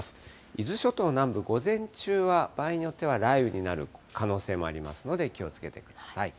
伊豆諸島南部、午前中は場合によっては雷雨になる可能性もありますので気をつけてください。